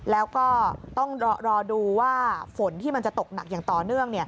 แล้วก็ต้องรอดูว่าฝนที่มันจะตกหนักอย่างต่อเนื่อง